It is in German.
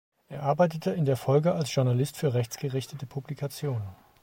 Er arbeitete in der Folge als Journalist für rechtsgerichtete Publikationen.